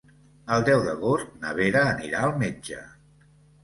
El deu d'agost na Vera anirà al metge.